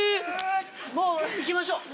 もう行きましょう！